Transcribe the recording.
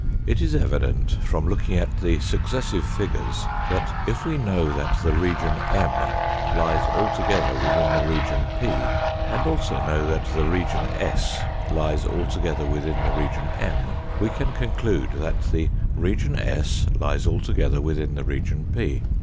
It is evident, from looking at the successive figures that, if we know that the region M lies altogether within the region p, and also know that the region s lies altogether within the region M, we can conclude that the region s lies altogether within the region P.